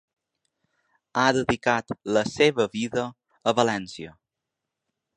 Ha dedicat la seva vida a València